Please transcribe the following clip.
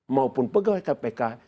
maupun pegawai kpk